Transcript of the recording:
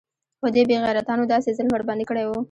خو دې بې غيرتانو داسې ظلم ورباندې كړى و.